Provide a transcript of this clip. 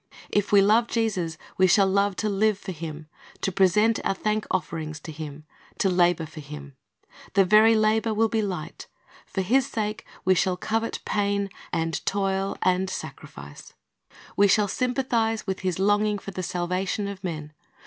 If we love Jesus, we shall love to live for Him, to present our thank ofterings to Him, to labor for Him. The very labor will be light. For His sake we shall covet pain and toil and sacrifice. 4 '•Some fell a:iian^ thorns." 50 Christ's Object Lessons We shall sympathize with His longing for the salvation of men.